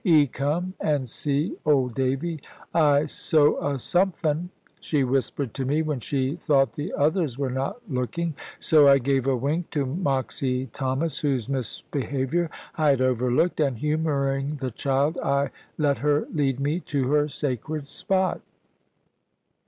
"'E come and see, old Davy. I sow 'a sompfin," she whispered to me, when she thought the others were not looking, so I gave a wink to Moxy Thomas, whose misbehaviour I had overlooked, and humouring the child I let her lead me to her sacred spot.